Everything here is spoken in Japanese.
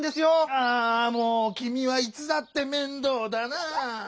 ああもうきみはいつだってめんどうだなぁ。